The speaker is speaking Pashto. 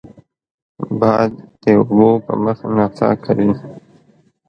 باد د اوبو په مخ نڅا کوي